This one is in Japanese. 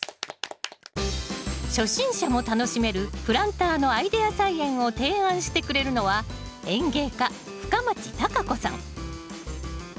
初心者も楽しめるプランターのアイデア菜園を提案してくれるのは園芸家深町貴子さん。